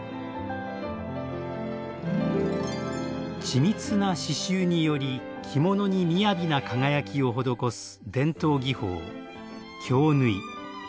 緻密な刺繍により着物にみやびな輝きを施す伝統技法京繍。